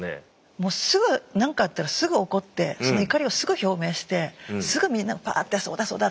もうすぐ何かあったらすぐ怒ってその怒りをすぐ表明してすぐみんながパーッてそうだ